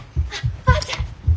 おばあちゃん！